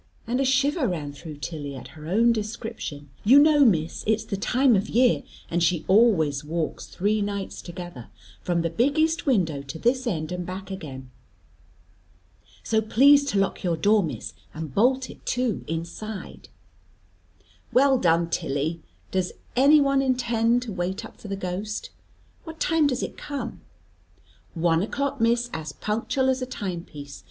And a shiver ran through Tilly, at her own description "You know, Miss, it's the time of year, and she always walks three nights together, from the big east window to this end and back again. So please to lock your door, Miss, and bolt it too inside." "Well done, Tilly! Does any one intend to wait up for the ghost? What time does it come?" "One o'clock, Miss, as punctual as a time piece.